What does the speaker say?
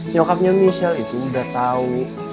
nyokapnya michelle itu udah tau nih